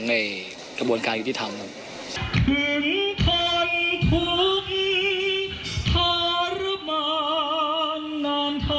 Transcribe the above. ในกระบวนการคิดที่ทำ